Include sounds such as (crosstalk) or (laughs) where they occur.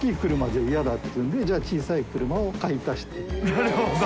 なるほど (laughs)